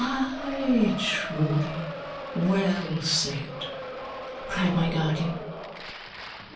"Aye, truly; well said!" cried my guardian.